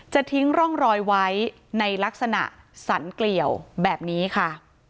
ทิ้งร่องรอยไว้ในลักษณะสรรเกลี่ยวแบบนี้ค่ะ